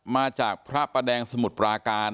มาจากพระประแดงสมุทรปราการ